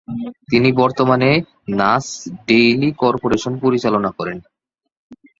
তিনি বর্তমানে নাস ডেইলি কর্পোরেশন পরিচালনা করেন।